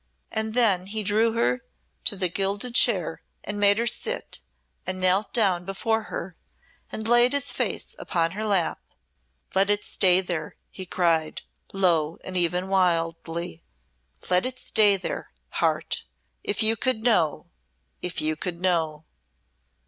And then he drew her to the gilded chair and made her sit, and knelt down before her, and laid his face upon her lap. "Let it stay there," he cried, low and even wildly. "Let it stay there Heart. If you could know if you could know!"